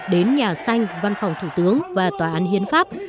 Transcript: đến nhà xanh văn phòng thủ tướng và tòa án hiến pháp